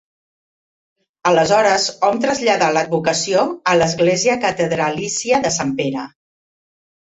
Aleshores hom traslladà l'advocació a l'església catedralícia de Sant Pere.